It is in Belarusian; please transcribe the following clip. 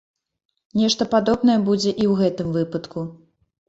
Нешта падобнае будзе і ў гэтым выпадку.